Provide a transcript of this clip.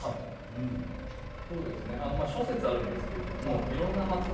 諸説あるんですけどいろんな発明